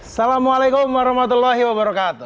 assalamualaikum warahmatullahi wabarakatuh